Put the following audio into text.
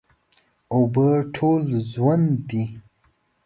اوبه ټول ژوند دي.